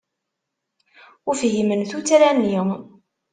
Ur fhimen tuttra-nni.